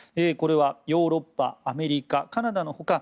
これはヨーロッパアメリカ、カナダの他